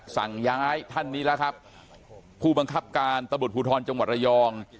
สั่งย้ายท่านนี้แล้วครับผู้บังคับการตำรวจภูทรจังหวัดระยอง